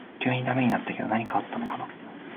急にダメになったけど何かあったのかな